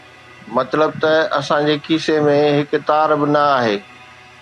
مطلب ته اسان جي کيسي ۾ هڪ تار به نه آهي